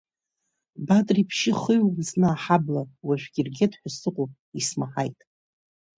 Бадра ибжьы ахыҩлон зны аҳабла, уажәгьы иргеит ҳәа сыҟоуп исмаҳаит.